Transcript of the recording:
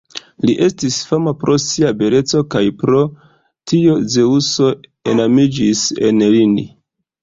Li estis fama pro sia beleco, kaj pro tio Zeŭso enamiĝis en lin.